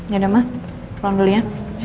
gak ada mah pulang dulu ya